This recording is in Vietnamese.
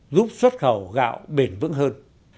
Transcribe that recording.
giúp xuất khẩu gạo bền vững hơn